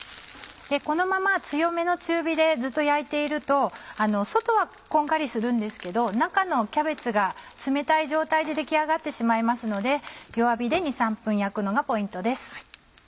このまま強めの中火でずっと焼いていると外はこんがりするんですけど中のキャベツが冷たい状態で出来上がってしまいますので弱火で２３分焼くのがポイントです。